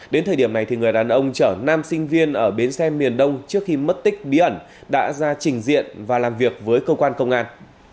đến thời điểm này người đàn ông chở nam sinh viên ở bến xe miền đông trước khi mất tích bí ẩn đã ra trình diện và làm việc với cơ quan công an